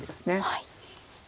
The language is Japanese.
はい。